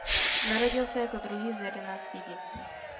Narodil se jako druhý z jedenácti dětí.